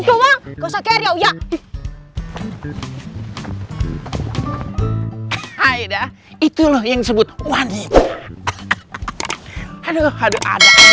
doang tengok ya itu yang disebut one gitu haduh haduh ada ada lagi sudah selesai sudah